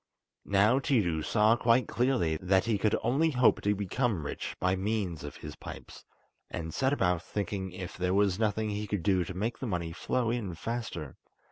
Now Tiidu saw quite clearly that he could only hope to become rich by means of his pipes, and set about thinking if there was nothing he could do to make the money flow in faster.